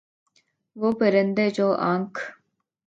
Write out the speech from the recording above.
وہ پرندے جو آنکھ